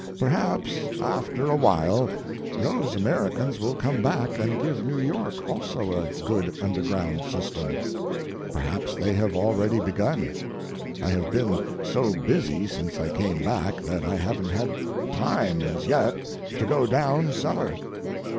Perhaps, after a while, those Americans will come back and give New York also a good underground system. Perhaps they have already begun. I have been so busy since I came back that I haven't had time as yet to go down cellar.